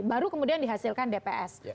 baru kemudian dihasilkan dps